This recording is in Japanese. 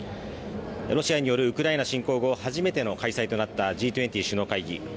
ロシアによるウクライナ侵攻後初めての開催となったＧ２０首脳会議。